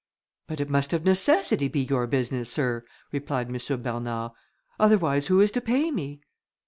"But it must of necessity be your business, Sir," replied M. Bernard, "otherwise who is to pay me?"